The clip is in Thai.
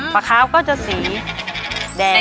ปลาขาวก็จะสีแดง